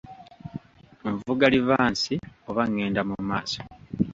Nvuga livansi oba ngenda mu maaso?